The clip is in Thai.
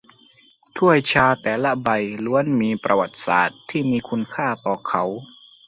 ถ้วยชาแต่ละใบล้วนมีประวัติศาสตร์ที่มีคุณค่าต่อเขา